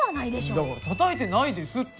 だからたたいてないですって！